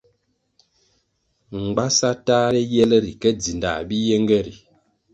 Mgbasa tahre yel ri ke dzindah bi yenge ri.